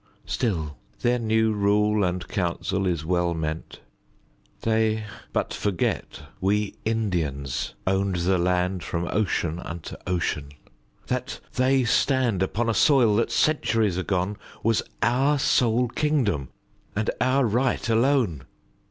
Still their new rule and council is well meant. They but forget we Indians owned the land From ocean unto ocean; that they stand Upon a soil that centuries agone Was our sole kingdom and our right alone.